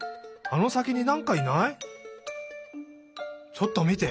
ちょっとみて。